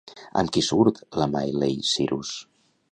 Amb qui surt la Miley Cyrus?